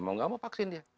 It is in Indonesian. mau nggak mau vaksin dia